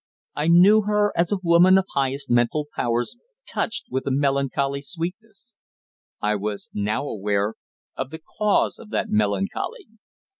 I knew her as a woman of highest mental powers touched with a melancholy sweetness. I was now aware of the cause of that melancholy.